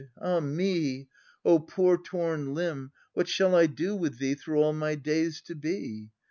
Ah me! O poor torn limb, what shall I do with thee Through all my days to be?